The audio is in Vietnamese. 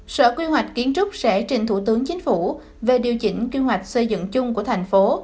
sở quy hoạch kiến trúc sẽ trình thủ tướng chính phủ về điều chỉnh quy hoạch xây dựng chung của thành phố